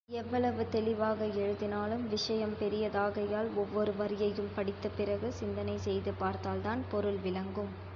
எவ்வளவு தெளிவாக எழுதினாலும், விஷயம் பெரிதாகையால், ஒவ்வொரு வரியையும் படித்த பிறகு சிந்தனை செய்து பார்த்தால்தான் பொருள் விளங்கும்.